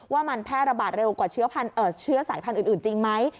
ว่ามันแพร่ระบาดเร็วกว่าเชื้อสายพันธุ์อื่นจริงไหม